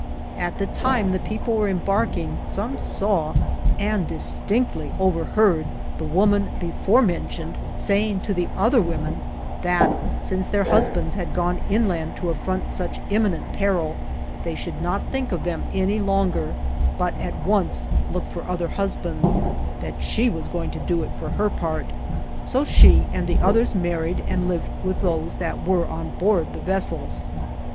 At the time the people were embarking, some saw, and distinctly overheard, the woman before mentioned saying to the other women that, since their husbands had gone inland to affront such imminent peril, they should not think of them any longer, but at once look for other husbands ; that she was going to do it, for her part. So she and the others married, and lived with those that were on board the vessels.